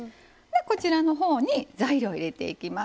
こちらのほうに材料入れていきます。